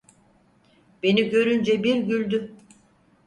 Beni görünce bir güldü.